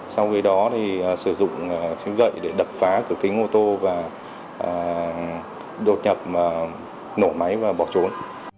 sau khi đó thì sử dụng gậy để đập phá cửa kính ô tô và đột nhập nổ máy và bỏ trốn